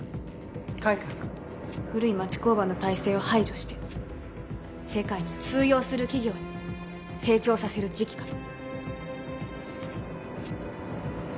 古い町工場の体制を排除して世界に通用する企業に成長させる時期かと。